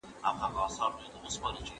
ډیپلوماسي د نړیوالي همکارۍ لپاره ده.